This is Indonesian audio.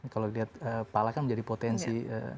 kalau kita lihat pala kan menjadi potensi